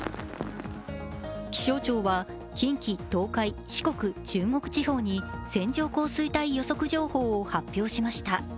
気象庁は近畿、東海、四国、中国地方に線状降水帯予測情報を発表しました。